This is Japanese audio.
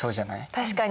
確かに。